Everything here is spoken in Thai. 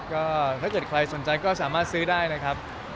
ก็ถ้าเกิดใครสนใจก็สามารถซื้อได้นะครับ